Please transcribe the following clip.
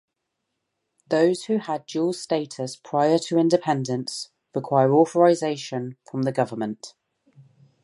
Those who had dual status prior to independence require authorization from the government.